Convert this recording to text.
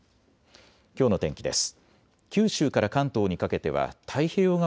きょうの天気です。